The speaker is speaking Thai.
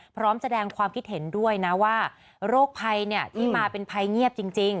พร้อมแสดงความคิดเห็นด้วยนะว่าโรคภัยที่มาเป็นภัยเงียบจริง